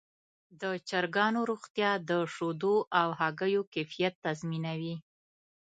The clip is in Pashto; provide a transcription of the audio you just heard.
د چرګانو روغتیا د شیدو او هګیو کیفیت تضمینوي.